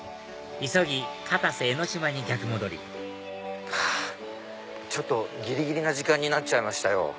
急ぎ片瀬江ノ島に逆戻りはぁギリギリな時間になっちゃいましたよ。